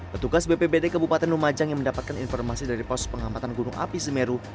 keputugas bppd kebupatan lumajang yang mendapatkan informasi dari pos pengamatan gunung api semeru